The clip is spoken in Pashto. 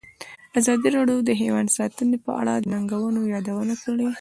ازادي راډیو د حیوان ساتنه په اړه د ننګونو یادونه کړې.